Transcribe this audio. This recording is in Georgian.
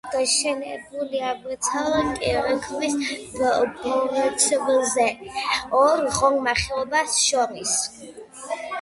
გაშენებულია ვრცელ კირქვის ბორცვზე, ორ ღრმა ხეობას შორის.